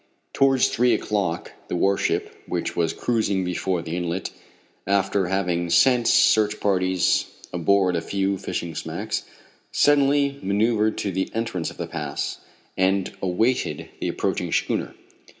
Towards three o'clock, the warship which was cruising before the inlet, after having sent search parties aboard a few fishing smacks, suddenly manoeuvred to the entrance of the pass, and awaited the approaching schooner.